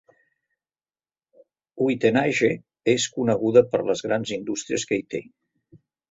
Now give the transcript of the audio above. Uitenhage és coneguda per les grans indústries que hi té.